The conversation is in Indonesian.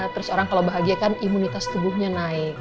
terus orang kalau bahagia kan imunitas tubuhnya naik